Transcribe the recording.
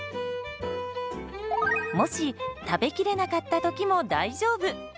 もし食べきれなかった時も大丈夫。